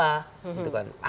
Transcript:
ada kaitan apa